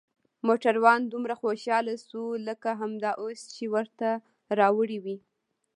موټروان دومره خوشحاله شو لکه همدا اوس چې ورته راوړي وي.